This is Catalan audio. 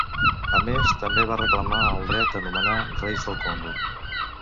A més, també va reclamar el dret a nomenar reis del Congo.